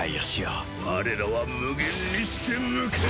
我らは無限にして無欠！